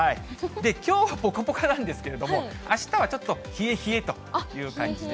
きょうはぽかぽかなんですけれども、あしたはちょっと、冷え冷えという感じで。